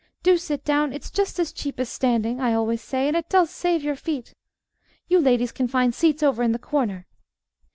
Do sit down; it's just as cheap as standing, I always say, and it does save your feet. You ladies can find seats over in the corner.